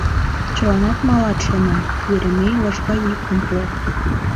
Чыланат малат шонен, Еремей лыжга йӱкым пуа: